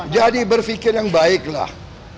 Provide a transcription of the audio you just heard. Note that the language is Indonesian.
jadi berpikir yang baik lah